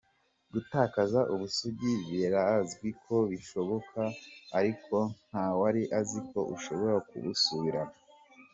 Gutakaza ubusugi birazwi ko bishoboka, ariko ntawari azi ko ushobora kubusubirana.